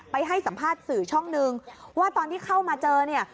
ให้สัมภาษณ์สื่อช่องหนึ่งว่าตอนที่เข้ามาเจอเนี่ย